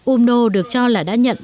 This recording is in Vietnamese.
umno được cho là đã nhận